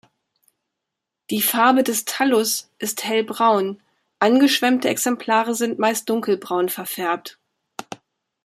Die Farbe des Thallus ist hellbraun, angeschwemmte Exemplare sind meist dunkelbraun verfärbt.